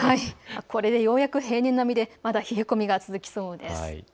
これでようやく平年並みでまだ冷え込みが続きそうです。